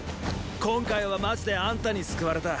今回はマジであんたに救われた。